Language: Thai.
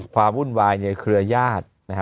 ความวุ่นวายในเครือยาศ